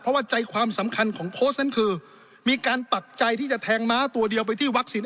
เพราะว่าใจความสำคัญของโพสต์นั้นคือมีการปักใจที่จะแทงม้าตัวเดียวไปที่วัคซีน